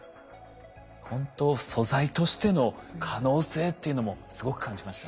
ほんと素材としての可能性というのもすごく感じましたね。